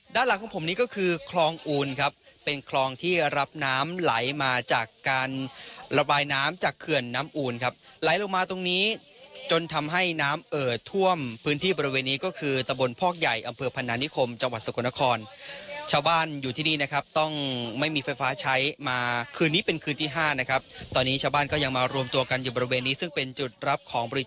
ด้านหลังของผมนี้ก็คือคลองอูนครับเป็นคลองที่รับน้ำไหลมาจากการระบายน้ำจากเขื่อนน้ำอูนครับไหลลงมาตรงนี้จนทำให้น้ำเอ่อท่วมพื้นที่บริเวณนี้ก็คือตะบนพอกใหญ่อำเภอพนานิคมจังหวัดสกลนครชาวบ้านอยู่ที่นี่นะครับต้องไม่มีไฟฟ้าใช้มาคืนนี้เป็นคืนที่ห้านะครับตอนนี้ชาวบ้านก็ยังมารวมตัวกันอยู่บริเวณนี้ซึ่งเป็นจุดรับของบริ